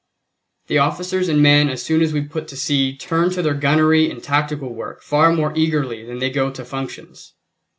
The officers and men as soon as we put to sea turn to their gunnery and tactical work far more eagerly than they go to functions.